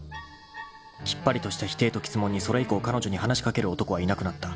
［きっぱりとした否定と詰問にそれ以降彼女に話し掛ける男はいなくなった。